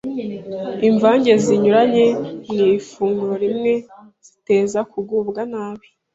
Imvange zinyuranye mu ifunguro rimwe ziteza kugubwa nabi,